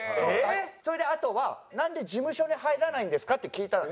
それであとは「なんで事務所に入らないんですか」って聞いた。